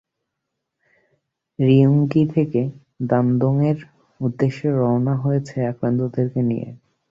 রিয়ুং গি থেকে দানদোংয়ের উদ্দেশ্য রওনা হয়েছে আক্রান্তদেরকে নিয়ে।